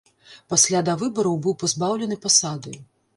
Пасля давыбараў быў пазбаўлены пасады.